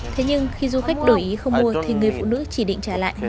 thế nhưng khi du khách đổi ý không mua thì người phụ nữ chỉ định trả lại năm mươi nghìn